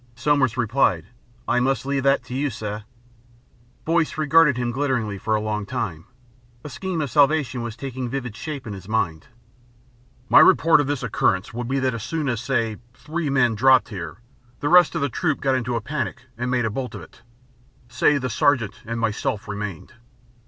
Somers replied, "I must leave that to you, sir." Boyce regarded him glitteringly for a long time. A scheme of salvation was taking vivid shape in his mind.... "My report of this occurrence will be that as soon as, say, three men dropped here, the rest of the troop got into a panic and made a bolt of it. Say the Sergeant and myself remained.